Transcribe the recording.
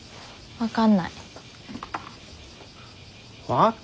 分かんないって。